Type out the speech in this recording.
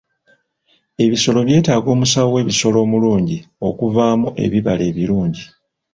Ebisolo byetaaga omusawo w'ebisolo omulungi okuvaamu ebibala ebirungi.